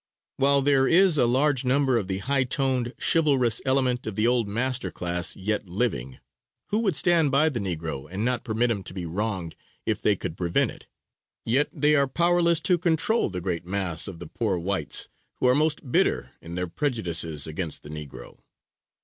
While there is a large number of the high toned, chivalrous element of the old master class yet living, who would stand by the negro and not permit him to be wronged if they could prevent it, yet they are powerless to control the great mass of the poor whites who are most bitter in their prejudices against the negro.